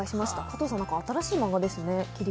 加藤さん、新しいマンガですね。